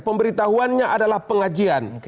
pemberitahuannya adalah pengajian